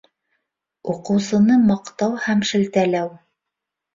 Уҡыусыны маҡтау һәм шелтәләү